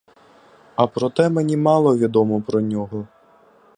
А проте мені мало відомо про нього.